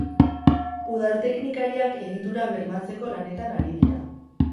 Udal teknikariak egitura bermatzeko lanetan ari dira.